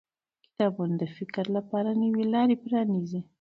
کتابونه د فکر لپاره نوې لارې پرانیزي